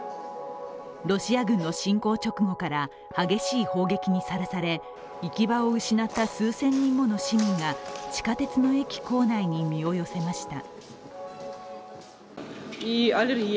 ロシア軍の侵攻直後から激しい砲撃にさらされ行き場を失った数千人もの市民が地下鉄の駅構内に身を寄せました。